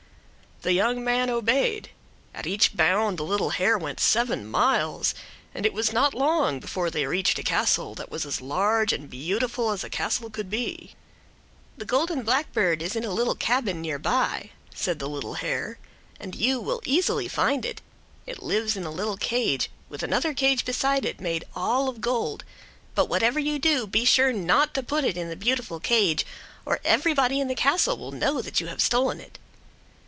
The young man obeyed. At each bound the little hare went seven miles, and it was not long before they reached a castle that was as large and beautiful as a castle could be. "The golden blackbird is in a little cabin near by," said the little hare, "and you will easily find it. It lives in a little cage, with another cage beside it made all of gold. But whatever you do, be sure not to put it in the beautiful cage, or everybody in the castle will know that you have stolen it."